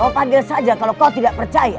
oh panggil saja kalau kau tidak percaya